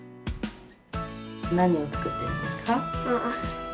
何を作ってるんですか？